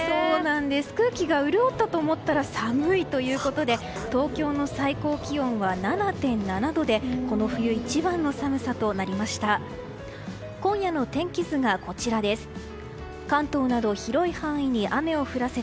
空気が潤ったと思ったら寒いということで東京の最高気温は７．７度でこの冬一番の寒さとなりました。